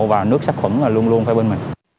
và nước sắc khuẩn là luôn luôn phải bên mình